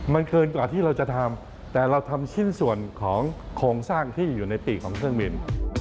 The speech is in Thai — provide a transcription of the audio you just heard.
มันเกินกว่าที่เราจะทำแต่เราทำชิ้นส่วนของโครงสร้างที่อยู่ในปีกของเครื่องบิน